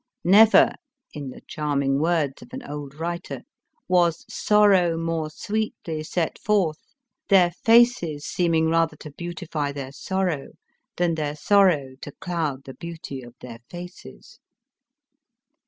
" Never," in the charming words of an old writer, " was sorrow more sweetly set forth, their faces seeming rather to beautify their sorrow than their sor row to cloud the beauty of their faces."